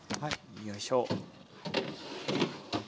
よいしょ。